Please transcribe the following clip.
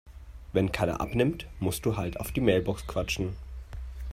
Wenn keiner abnimmt, musst du halt auf die Mailbox quatschen.